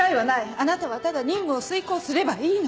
あなたはただ任務を遂行すればいいの。